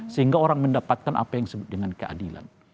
sehingga orang mendapatkan apa yang disebut dengan keadilan